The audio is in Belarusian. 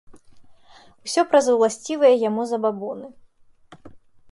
Усё праз уласцівыя яму забабоны.